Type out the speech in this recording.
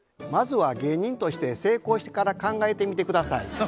まずは芸人として成功してから考えてみて下さい。